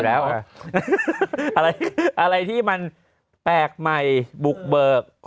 อะไรที่มันแปลกใหม่บุกเบิก